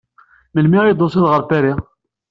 Melmi ay d-tusiḍ ɣer Paris?